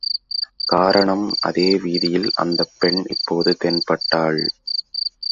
காரணம் அதே வீதியில் அந்தப் பெண் இப்போது தென்பட்டாள்.